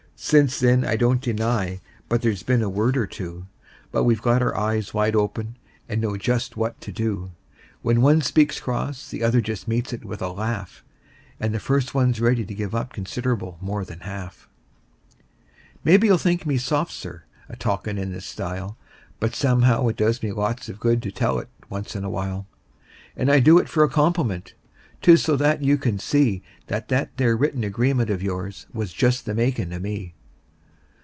Since then I don't deny but there's been a word or two; But we've got our eyes wide open, and know just what to do: When one speaks cross the other just meets it with a laugh, And the first one's ready to give up considerable more than half. Maybe you'll think me soft, Sir, a talkin' in this style, But somehow it does me lots of good to tell it once in a while; And I do it for a compliment 'tis so that you can see That that there written agreement of yours was just the makin' of me.